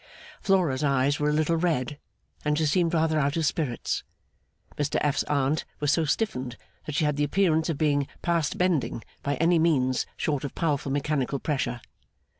Flora's eyes were a little red, and she seemed rather out of spirits. Mr F.'s Aunt was so stiffened that she had the appearance of being past bending by any means short of powerful mechanical pressure.